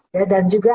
ya dan juga